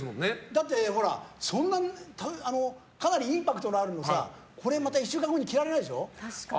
だって、ほらそんな、かなりインパクトあるのこれまた１週間後に着られないでしょ。